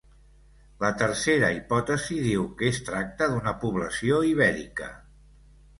La tercera hipòtesi diu que es tracta d’una població ibèrica.